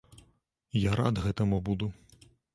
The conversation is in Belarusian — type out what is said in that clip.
Я рад гэтаму буду.